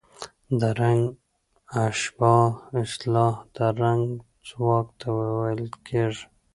د رنګ اشباع اصطلاح د رنګ ځواک ته ویل کېږي.